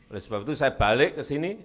oleh sebab itu saya balik kesini